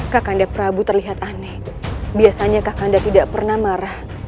kak kanda prabu terlihat aneh biasanya kak kanda tidak pernah marah